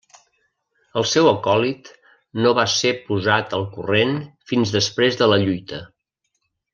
El seu acòlit no va ser posat al corrent fins després de la lluita.